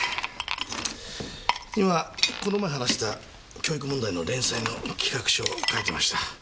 今この前話した教育問題の連載の企画書を書いてました。